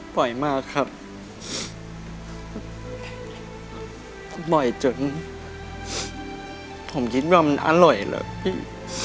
บ่อยมากครับบ่อยจนผมคิดว่ามันอร่อยเลยพี่